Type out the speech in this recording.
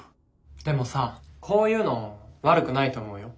・でもさこういうの悪くないと思うよ。